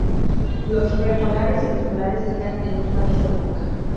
Los premolares y los molares están en los lados de la boca.